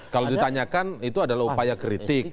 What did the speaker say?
kalau ditanyakan itu adalah upaya kritik